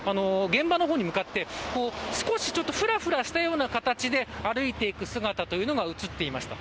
現場の方に向かって少しふらふらしたような形で歩いていく姿というのが映っていました。